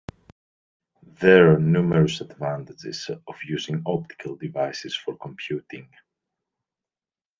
There are numerous advantages of using optical devices for computing.